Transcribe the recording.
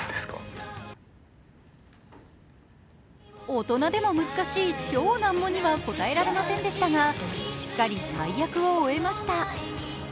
大人でも難しい超難問には答えられませんでしたがしっかり大役を終えました。